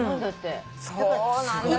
そうなんだね。